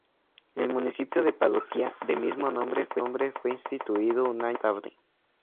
El municipio de parroquia de mismo nombre fue instituido un año más tarde.